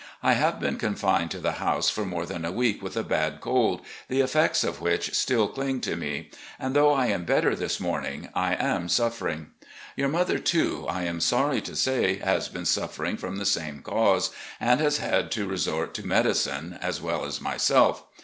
I have been confined to the house for more than a week with a bad cold, the effects of which still cling to me, and, though I am better this morning, I am suffering. Your mother, too, I am sorry to say, has been suffering from the same cause, and has had to resort to medicine, as well as myself.